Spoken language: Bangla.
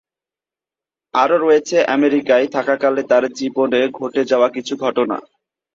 আরও রয়েছে আমেরিকায় থাকাকালে তার জীবনে ঘটে যাওয়া কিছু ঘটনা।